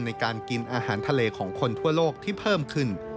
ในการกินอาหารทะเลของคนทั่วโลกที่เพิ่มขึ้น